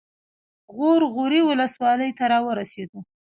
غور غوري ولسوالۍ ته راورسېدو.